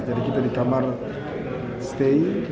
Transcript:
jadi kita di kamar stay